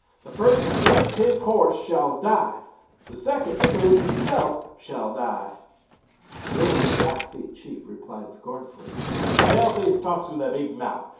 The first that moves his horse shall die. The second that moves himself shall die." To this the Blackfeet chief replied scornfully, "The Pale face talks with a big mouth.